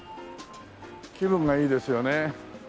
気分がいいですよね。